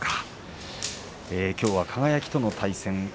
きょうは輝との対戦です。